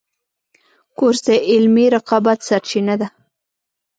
کورس د علمي رقابت سرچینه ده.